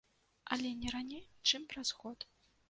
Але не раней чым праз год.